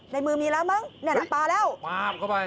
ในมือมีละมั้งถ้าเปล่า